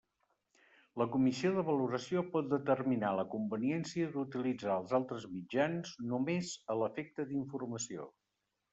La comissió de valoració pot determinar la conveniència d'utilitzar altres mitjans només a l'efecte d'informació.